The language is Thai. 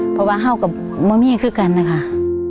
เพราะว่าเห่ากับมะมี่คือกันนะคะ